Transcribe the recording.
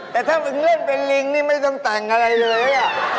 แต่ถ้ามึงเล่นเป็นลิงนี่ไม่ต้องแต่งอะไรเลย